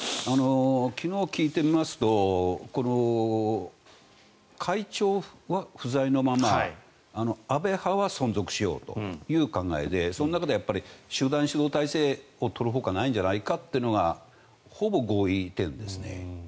昨日聞いてみますと会長は不在のまま安倍派は存続しようという考えでその中で集団指導体制を取るほかないんじゃないかというのがほぼ合意点ですね。